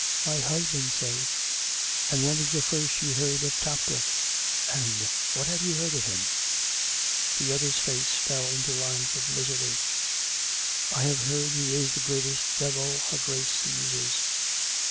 My hus band says " "And when was the first you heard of Topcliffe? And what have you heard of him ?" The other's face fell into lines of misery. " I have heard he is the greatest devil her Grace uses.